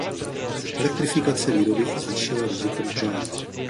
Elektrifikace výroby zvýšila riziko požáru.